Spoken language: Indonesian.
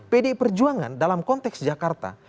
pdi perjuangan dalam konteks jakarta